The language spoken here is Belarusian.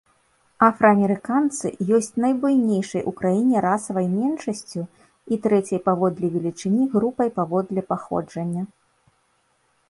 Афраамерыканцы ёсць найбуйнейшай у краіне расавай меншасцю і трэцяй паводле велічыні групай паводле паходжання.